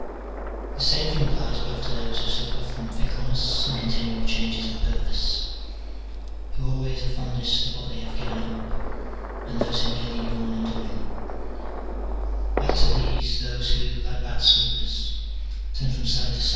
The same thing applies both to those who suffer from fickleness and continual changes of purpose, who always are fondest of what they have given up, and those who merely yawn and dawdle : add to these those who, like bad sleepers, turn from side to m 256 MINOR DIALOGUES. [bK. IX.